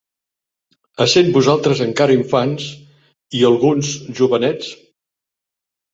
Essent vosaltres encara infants i alguns jovenets;